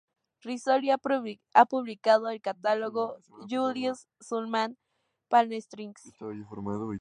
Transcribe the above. Rizzoli ha publicado el catálogo, "Julius Shulman: Palm Springs.